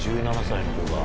１７歳の子が。